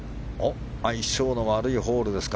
相性の悪いホールですか